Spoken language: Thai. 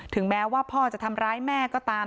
แม้ว่าพ่อจะทำร้ายแม่ก็ตาม